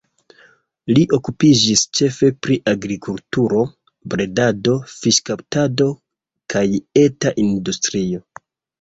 Ili okupiĝis ĉefe pri agrikulturo, bredado, fiŝkaptado kaj eta industrio.